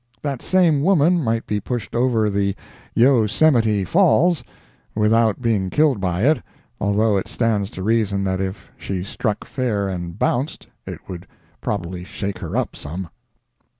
That same woman might be pushed over the Yo Semite Falls without being killed by it, although it stands to reason that if she struck fair and bounced, it would probably shake her up some.